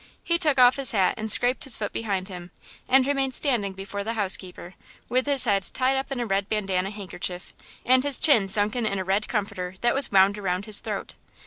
He took off his hat and scraped his foot behind him, and remained standing before the housekeeper with his head tied up in a red bandana handkerchief and his chin sunken in a red comforter that was wound around his throat.